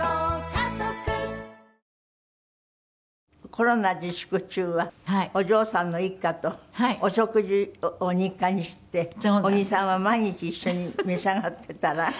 コロナ自粛中はお嬢さんの一家とお食事を日課にして小木さんは毎日一緒に召し上がってたら？